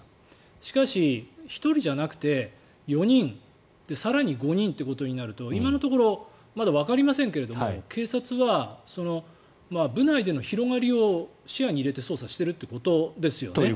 しかし１人じゃなくて４人更に５人となると今のところまだわかりませんが警察は部内での広がりを視野に入れて捜査しているということですよね。